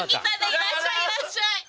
いらっしゃい！